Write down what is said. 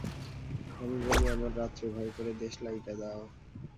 আমি বলি আমার রাত্রে ভয় করে, দেশলাইটা দাও।